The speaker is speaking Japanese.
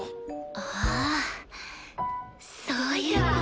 ああそういうことか。